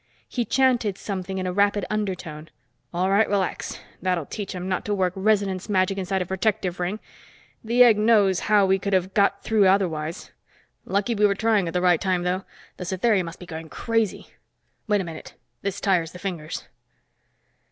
He chanted something in a rapid undertone "All right, relax. That will teach them not to work resonance magic inside a protective ring; the egg knows how we could have got through otherwise. Lucky we were trying at the right time, though. The Satheri must be going crazy. Wait a minute, this tires the fingers."